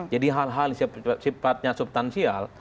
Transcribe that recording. jadi hal hal sifatnya subtansial